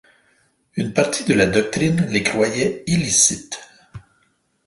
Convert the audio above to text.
Une partie de la doctrine les croyait illicites.